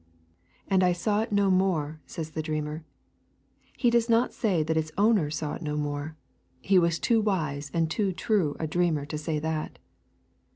And I saw it no more, says the dreamer. He does not say that its owner saw it no more. He was too wise and too true a dreamer to say that.